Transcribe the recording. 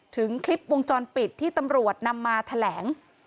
ถึงคลิปวงจรปิดที่ตำรวจนำมาแถลง